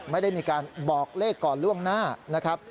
ไม่ได้มีการบอกเลขก่อนล่วงหน้า